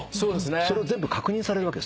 それを全部確認されるんですね。